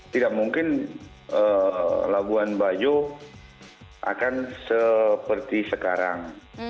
tidak mungkin labuan bajo akan seperti sekarang